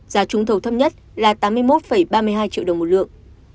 giá trúng thầu thấp nhất là tám mươi một ba mươi hai triệu đồng một lượng